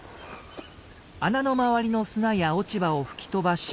穴の周りの砂や落ち葉を吹き飛ばし。